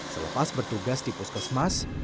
selepas bertugas di puskesmas